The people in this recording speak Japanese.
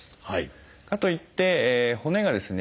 かといって骨がですね